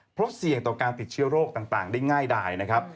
เพราะเสี่ยงต่อการติดเชื้อโรคต่างได้ง่ายดายนะครับ